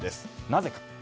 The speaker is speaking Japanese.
なぜか。